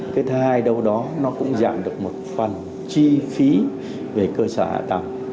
thứ hai đâu đó nó cũng giảm được một phần chi phí về cơ sở hạ tầm